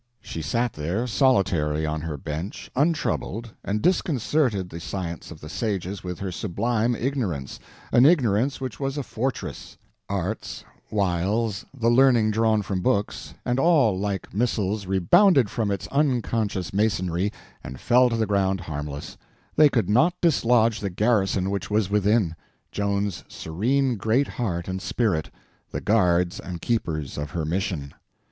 She sat there, solitary on her bench, untroubled, and disconcerted the science of the sages with her sublime ignorance—an ignorance which was a fortress; arts, wiles, the learning drawn from books, and all like missiles rebounded from its unconscious masonry and fell to the ground harmless; they could not dislodge the garrison which was within—Joan's serene great heart and spirit, the guards and keepers of her mission.